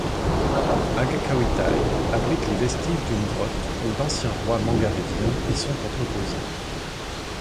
Agakauitai abrite les vestiges d'une grotte où d'anciens rois mangaréviens y sont entreposés.